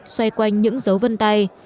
xoay quanh những dấu vân tay